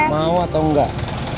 mau atau enggak